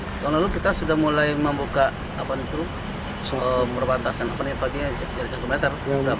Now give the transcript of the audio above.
tahun lalu kita sudah mulai membuka apa itu merbatasan apa nih paginya jadi meter